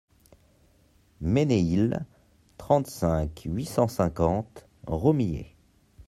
Ménéhil, trente-cinq, huit cent cinquante Romillé